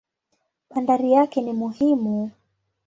Bandari yake ni muhimu.